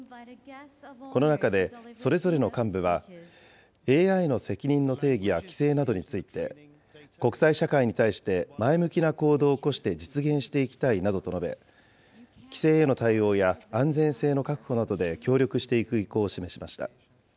この中で、それぞれの幹部は、ＡＩの責任の定義や規制などについて、国際社会に対して前向きな行動を起こして実現していきたいなどと述べ、規制への対応や安全性の確保などで協力していく意向を示しました。